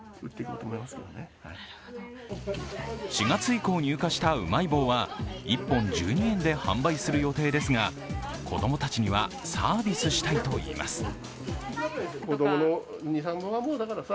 ４月以降入荷したうまい棒は１本１２円で販売する予定ですが子供たちにはサービスしたいといいます。